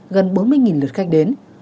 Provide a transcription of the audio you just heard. gần bốn mươi lượt khách đến